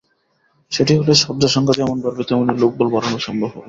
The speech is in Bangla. সেটি হলে শয্যা সংখ্যা যেমন বাড়বে তেমনি লোকবল বাড়ানোও সম্ভব হবে।